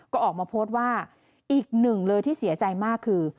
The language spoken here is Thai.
ก็ออกมาโพสต์ว่าอีกหนึ่งเลยที่เสียใจมากคือ